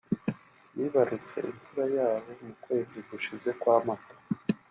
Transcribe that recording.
bibarutse imfura yabo mu kwezi gushize kwa Mata